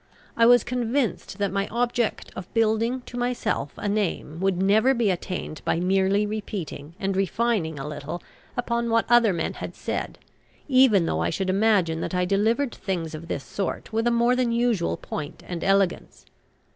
I was convinced that my object of building to myself a name would never be attained by merely repeating and refining a little upon what other men had said, even though I should imagine that I delivered things of this sort with a more than usual point and elegance.